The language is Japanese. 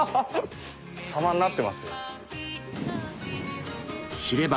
様になってます。